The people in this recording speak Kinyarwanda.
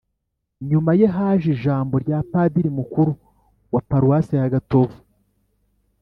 nyuma ye haje ijambo rya padiri mukuru wa paruwasi ya gatovu